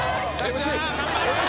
ＭＣ！